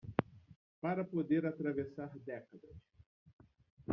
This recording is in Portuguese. Para poder atravessar décadas